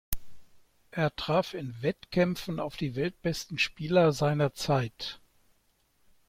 Er traf in Wettkämpfen auf die weltbesten Spieler seiner Zeit.